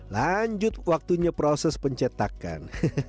lanjut waktunya proses pencetakan